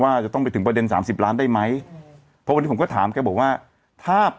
จะต้องไปถึงประเด็นสามสิบล้านได้ไหมเพราะวันนี้ผมก็ถามแกบอกว่าถ้า